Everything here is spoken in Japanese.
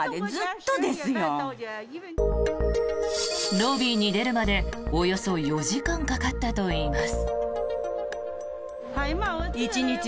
ロビーに出るまでおよそ４時間かかったといいます。